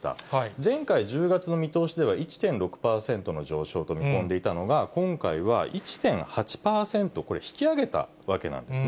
前回１０月の見通しでは１．６％の上昇と見込んでいたのが、今回は１．８％、これ、引き上げたわけなんですね。